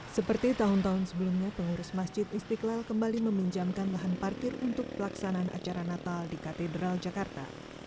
seperti tahun tahun sebelumnya pengurus masjid istiqlal kembali meminjamkan lahan parkir untuk pelaksanaan acara natal di katedral jakarta